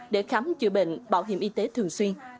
để khám chữa bệnh bảo hiểm y tế thường xuyên